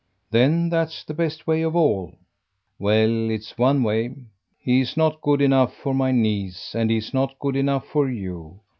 "Then that's the best way of all." "Well, it's one way. He's not good enough for my niece, and he's not good enough for you.